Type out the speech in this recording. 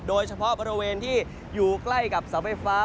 โดยเฉพาะบริเวณที่อยู่ใกล้กับเสาไฟฟ้า